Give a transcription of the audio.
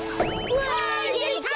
うわいできた！